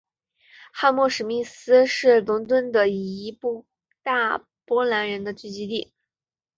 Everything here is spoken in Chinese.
汉默史密斯是伦敦的一大波兰人聚居地。